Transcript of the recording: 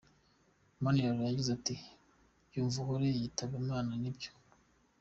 Manirarora yagize ati “Byumvuhore yitabye Imana; ni byo.